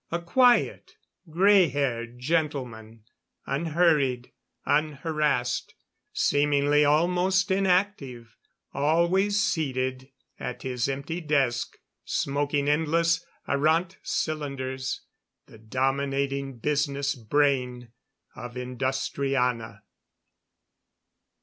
A quiet, grey haired gentleman; unhurried, unharassed, seemingly almost inactive; always seated at his empty desk smoking endless arrant cylinders. The dominating business brain of Industriana.